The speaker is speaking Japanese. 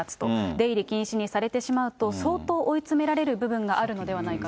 出入り禁止にされてしまうと、相当追い詰められる部分があるのではないかと。